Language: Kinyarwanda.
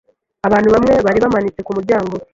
Abantu bamwe bari bamanitse kumuryango.